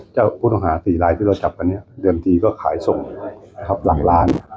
จะต้องหาสี่รายที่เราจะจับแล้วเริ่มที่ก็ขายส่งหลังร้าน